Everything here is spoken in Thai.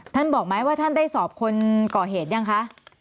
บอกไหมว่าท่านได้สอบคนก่อเหตุยังคะ